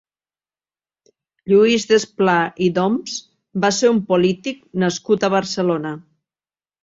Lluís Desplà i d'Oms va ser un polític nascut a Barcelona.